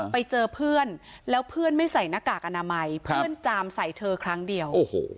ไปเจอเพื่อนแล้วเพื่อนไม่ใส่หน้ากากอนามัยเพื่อนจามใส่เธอครั้งเดียว